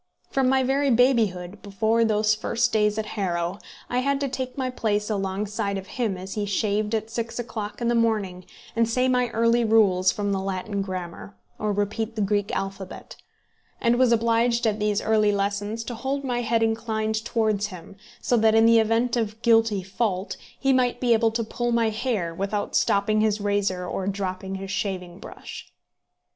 From my very babyhood, before those first days at Harrow, I had to take my place alongside of him as he shaved at six o'clock in the morning, and say my early rules from the Latin Grammar, or repeat the Greek alphabet; and was obliged at these early lessons to hold my head inclined towards him, so that in the event of guilty fault, he might be able to pull my hair without stopping his razor or dropping his shaving brush.